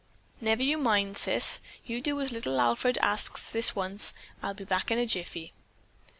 "Never you mind, Sis, you do as little Alfred asks this once; I'll be back in a jiffy."